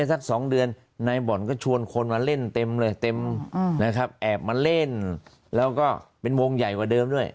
แอบมาเล่นแล้วก็เป็นวงใหญ่กว่าเดิมด้วย